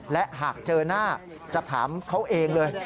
และหากเจอหน้าจะถามเขาเองเลย